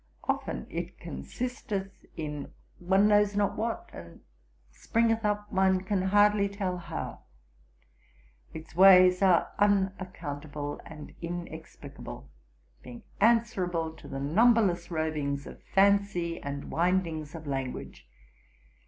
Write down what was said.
Often it consisteth in one knows not what, and springeth up one can hardly tell how. Its ways are unaccountable, and inexplicable; being answerable to the numberless rovings of fancy, and windings of language.